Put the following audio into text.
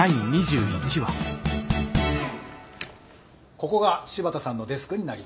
ここが柴田さんのデスクになります。